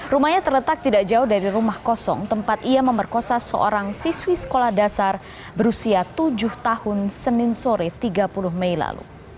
rumahnya terletak tidak jauh dari rumah kosong tempat ia memerkosa seorang siswi sekolah dasar berusia tujuh tahun senin sore tiga puluh mei lalu